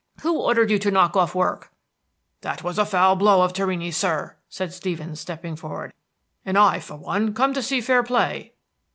"Who ordered you to knock off work?" "That was a foul blow of Torrini's, sir," said Stevens, stepping forward, "and I for one come to see fair play."